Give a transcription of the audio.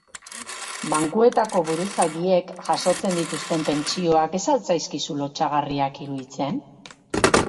Bankuetako buruzagiek jasotzen dituzten pentsioak ez al zaizkizu lotsagarriak iruditzen?